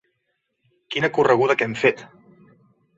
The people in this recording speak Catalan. Quina correguda que hem fet!